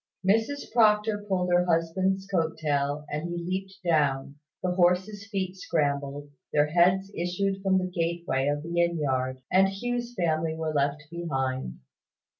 Mrs Proctor pulled her husband's coat tail, and he leaped down, the horses' feet scrambled, their heads issued from the gateway of the inn yard, and Hugh's family were left behind.